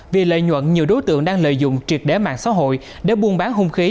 vì lợi nhuận nhiều đối tượng đang lợi dụng triệt đế mạng xã hội để buôn bán hung khí